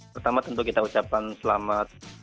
pertama tentu kita ucapkan selamat